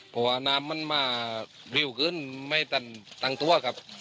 เพราะว่าน้ำมันมาริวขึ้นไม่ตั้งตัวครับ